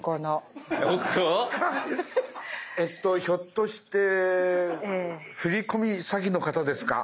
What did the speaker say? ひょっとして振り込み詐欺の方ですか？